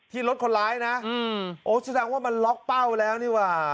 รถคนร้ายนะโอ้แสดงว่ามันล็อกเป้าแล้วนี่ว่า